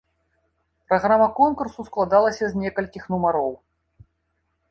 Праграма конкурсу складалася з некалькіх нумароў.